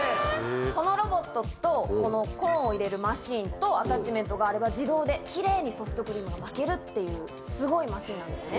このロボットと、このコーンを入れるマシンとアタッチメントがあれば、自動できれいにソフトクリームが巻けるっていう、すごいマシンなんですね。